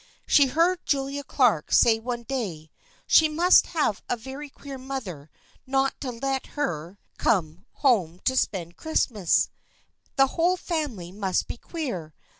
She heard Julia Clark say one day, " She must have a very queer mother not to let her 170 THE FKIENDSHIP OF ANNE come home to spend Christmas. The whole family must be queer.